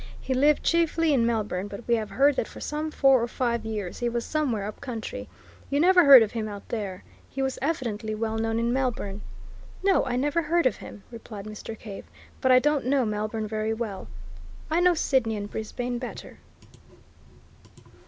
He lived chiefly in Melbourne, but we have heard that for some four or five years he was somewhere up country. You never heard of him out there? He was evidently well known in Melbourne." "No, I never heard of him," replied Mr. Cave. "But I don't know Melbourne very well; I know Sydney and Brisbane better.